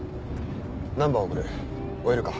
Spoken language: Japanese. ナンバーを送る追えるか？